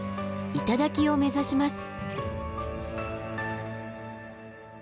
頂を目指します。